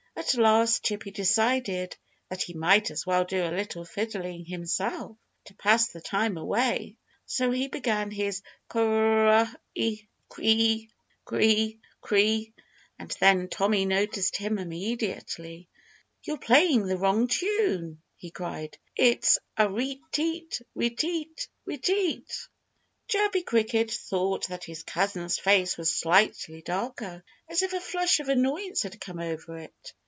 At last Chirpy decided that he might as well do a little fiddling himself, to pass the time away. So he began his cr r r i! cr r r i! cr r r i! And then Tommy noticed him immediately. "You're playing the wrong tune!" he cried. "It's re teat! re teat! re teat!" Chirpy Cricket thought that his cousin's face was slightly darker, as if a flush of annoyance had come over it.